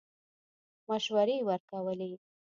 مشورې ورکولې.